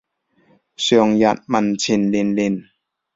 上日文前練練